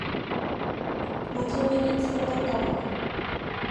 まじめに詰んだかも